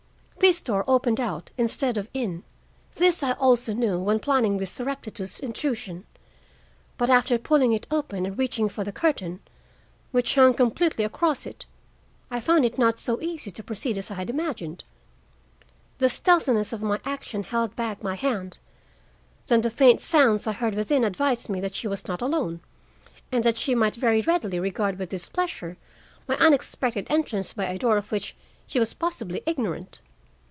This door opened out instead of in,—this I also knew when planning this surreptitious intrusion, but, after pulling it open and reaching for the curtain, which hung completely across it, I found it not so easy to proceed as I had imagined. The stealthiness of my action held back my hand; then the faint sounds I heard within advised me that she was not alone, and that she might very readily regard with displeasure my unexpected entrance by a door of which she was possibly ignorant.